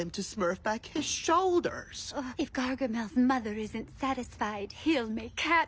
そうか！